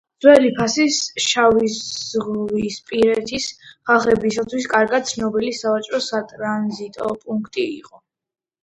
ძველი ფასისი შავიზვისპირეთის ხალხებისათვის კარგად ცნობილი სავაჭრო-სატრანზიტო პუნქტი იყო